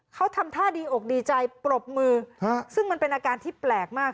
เขาทำท่าดีอกดีใจปรบมือซึ่งมันเป็นอาการที่แปลกมาก